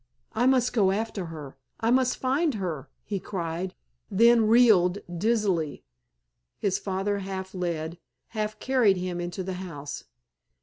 "I must go after her—I must find her," he cried, then reeled dizzily. His father half led, half carried him into the house.